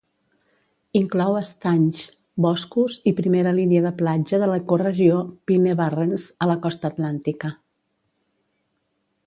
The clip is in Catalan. Inclou estanys, boscos i primera línia de platja de l'ecoregió "Pine Barrens" a la costa atlàntica.